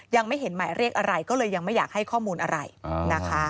ยังไม่เห็นหมายเรียกอะไรก็เลยยังไม่อยากให้ข้อมูลอะไรนะคะ